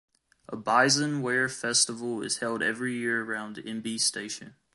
A Bizen ware festival is held every year around Imbe Station.